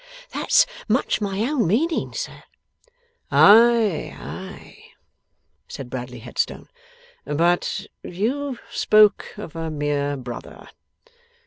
'That's much my own meaning, sir.' 'Ay, ay,' said Bradley Headstone, 'but you spoke of a mere brother.